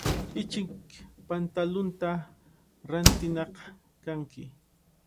Ichik pantalunta rantinaq kanki.